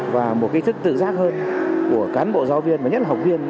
và một ý thức tự giác hơn của cán bộ giáo viên và nhất là học viên